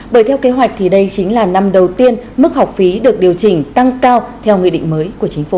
bởi theo kế hoạch thì đây chính là năm đầu tiên mức học phí được điều chỉnh tăng cao theo nghị định mới của chính phủ